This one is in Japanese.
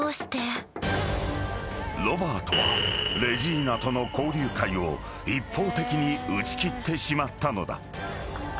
［ロバートはレジーナとの交流会を一方的に打ち切ってしまったのだ］